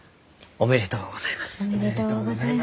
おめでとうございます。